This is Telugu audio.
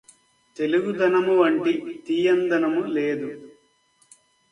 తెలుగుదనమువంటి తీయందనము లేదు